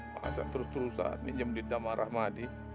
masa terus terusan minjem duit nama ramadi